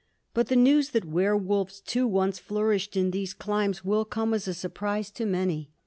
But the news that werwolves, too, once flourished in these climes will come as a surprise to many.